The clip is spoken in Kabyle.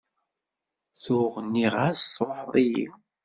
Tuɣ nniɣ-as truḥeḍ-iyi.